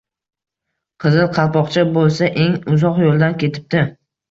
Qizil Qalpoqcha boʻlsa, eng uzoq yoʻldan ketibdi